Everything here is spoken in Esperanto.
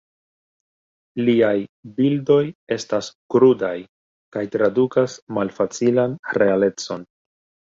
Liaj bildoj estas krudaj kaj tradukas malfacilan realecon.